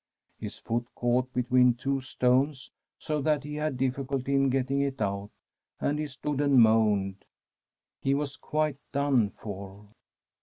His foot caught between two stones, so that he had difficulty in getting it out, and he stood and moaned. He was quite done for.